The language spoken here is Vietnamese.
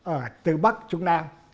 ở từ bắc trung nam